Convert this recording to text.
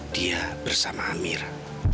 dia bersama amira